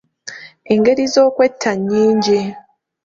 Engeri z'okwetta nnyingi